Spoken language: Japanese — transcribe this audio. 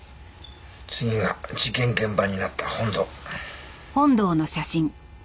次が事件現場になった本堂。